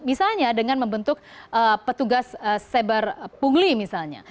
misalnya dengan membentuk petugas cyber pungli misalnya